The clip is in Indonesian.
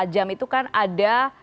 dua puluh empat jam itu kan ada